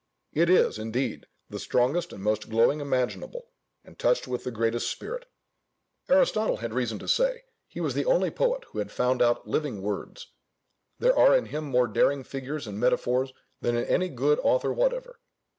It is, indeed, the strongest and most glowing imaginable, and touched with the greatest spirit. Aristotle had reason to say, he was the only poet who had found out "living words;" there are in him more daring figures and metaphors than in any good author whatever.